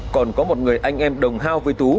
còn có một người anh em đồng hao với tú